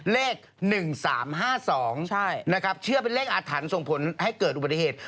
เลข๑๓๕๒นะครับเชื่อเป็นเลขอาถรรพ์ส่งผลให้เกิดอุบัติเหตุ